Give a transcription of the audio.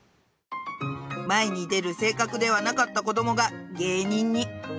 前に出る性格ではなかった子供が芸人に